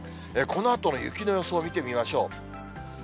このあとの雪の予想見てみましょう。